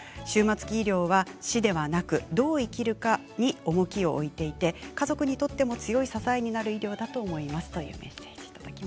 終末期医療は死ではなくどう生きるかに重きを置いていて家族にとっても強い支えである医療だと思います。